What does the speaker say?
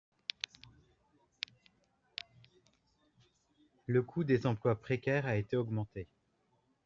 Le coût des emplois précaires a été augmenté.